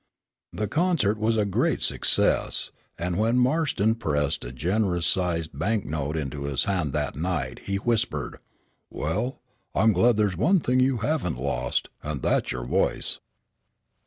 The concert was a great success, and when Marston pressed a generous sized bank note into his hand that night, he whispered, "Well, I'm glad there's one thing you haven't lost, and that's your voice."